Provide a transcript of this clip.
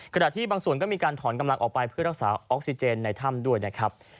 ขณะที่บางส่วนก็มีการถอนกำลังออกไปเพื่อรักษาออกซิเจนในถ้ำด้วยนะครับ